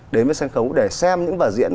đến với sân khấu để xem những vở diễn